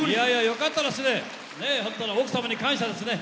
よかったですね。